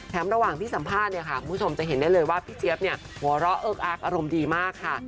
ระหว่างที่สัมภาษณ์เนี่ยค่ะคุณผู้ชมจะเห็นได้เลยว่าพี่เจี๊ยบเนี่ยหัวเราะเอิกอักอารมณ์ดีมากค่ะ